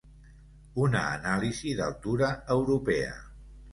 Una anàlisi d’altura europea.